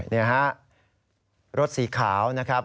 นี่ฮะรถสีขาวนะครับ